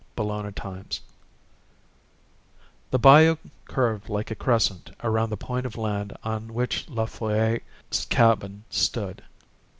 BEYOND THE BAYOU The bayou curved like a crescent around the point of land on which La Folle's cabin stood.